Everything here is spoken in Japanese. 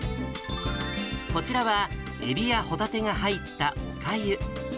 こちらは、エビやホタテが入ったおかゆ。